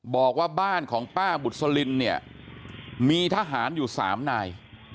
บอกว่าบ้านของป้าบุษลินเนี่ยมีทหารอยู่๓นาย